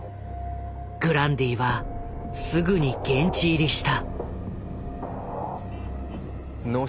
グランディはすぐに現地入りした。